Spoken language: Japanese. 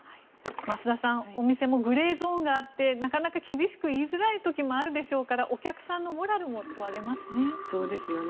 増田さん、お店もグレーゾーンがあってなかなか厳しく言いづらい時もあるでしょうからお客さんのモラルも問われますね。